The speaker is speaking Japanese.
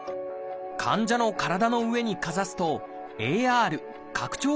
患者の体の上にかざすとＡＲ拡張